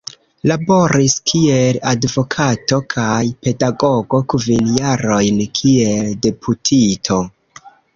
Laboris kiel advokato kaj pedagogo, kvin jarojn kiel deputito.